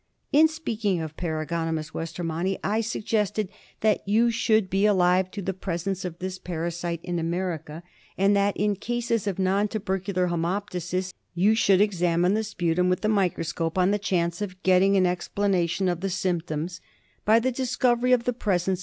In speaking of Paragonimus westermanni, I suggested that you should be alive to the presence of this parasite in America, and that in cases of non tubercular haemoptysis you should examine the sputum with the microscope, on the chance of getting an explanation of the symptoms by the discovery of the presence